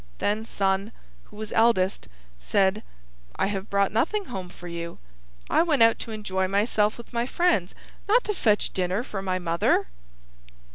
Then Sun (who was eldest) said, "I have brought nothing home for you. I went out to enjoy myself with my friends—not to fetch dinner for my mother!"